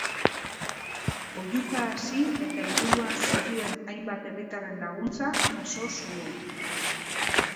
Oihuka hasi eta inguruan zituen hainbat herritarren laguntza jaso zuen.